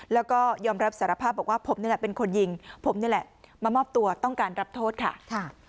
แล้วก็ยอมรับสารภาพบอกว่าผมนี่แหละเป็นคนยิงผมนี่แหละมามอบตัวต้องการรับโทษค่ะ